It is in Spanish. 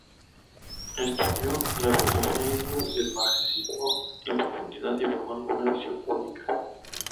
Estudió la filosofía india y el marxismo en profundidad y formaron una visión única.